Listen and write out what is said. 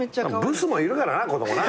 ブスもいるからな子供な。